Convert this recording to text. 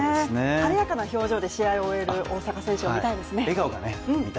晴れやかな表情で試合を終える大坂選手を見たいですね。